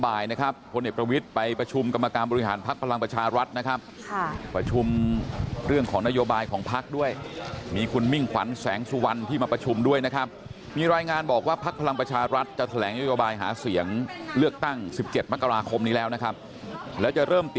อ้าคุยเรื่องงานเนอะ